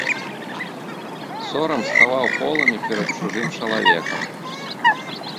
Сорам схаваў поламі перад чужым чалавекам.